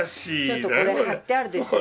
ちょっとこれ貼ってあるでしょ。